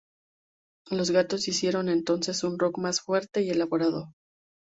Los Gatos hicieron entonces un rock más fuerte y elaborado.